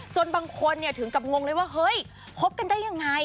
บางคนถึงกับงงเลยว่าเฮ้ยคบกันได้ยังไง